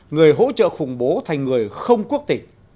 người hỗ trợ khủng bố thành người không quốc tịch